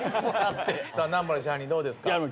さあ南原支配人どうですか？